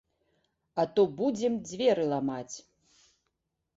А то будзем дзверы ламаць!